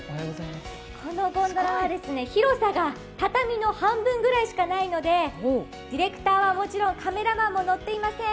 このゴンドラは広さが畳の半分ぐらいしかないのでディレクターはもちろんカメラマンは乗っておりません。